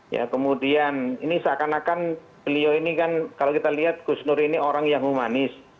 ya kemudian ini seakan akan beliau ini kan kalau kita lihat gus nur ini orang yang humanis